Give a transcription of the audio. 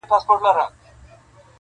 نجلۍ په درد کي ښورېږي او ساه يې تنګه ده,